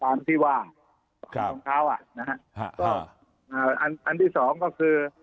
ตามที่ว่าของเขาอ่ะนะครับ